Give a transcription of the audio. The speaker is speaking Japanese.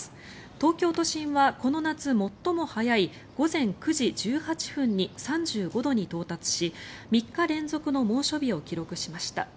東京都心は、この夏最も早い午前９時１８分に３５度に到達し３日連続の猛暑日を記録しました。